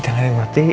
jangan yang mati